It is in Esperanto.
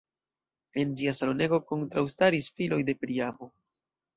En ĝia salonego kontraŭstaris filoj de Priamo.